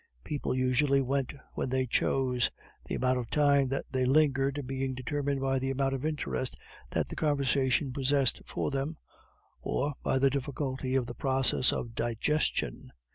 People usually went when they chose; the amount of time that they lingered being determined by the amount of interest that the conversation possessed for them, or by the difficulty of the process of digestion.